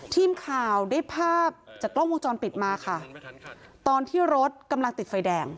ทีมข่าวได้ภาพจากกล้องวงจรปิดมาค่ะตอนที่รถกำลังติดไฟแดง